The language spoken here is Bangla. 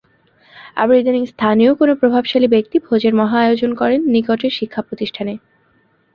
আবার ইদানীং স্থানীয় কোনো প্রভাবশালী ব্যক্তি ভোজের মহা আয়োজন করেন নিকটের শিক্ষাপ্রতিষ্ঠানে।